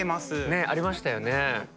ねありましたよね。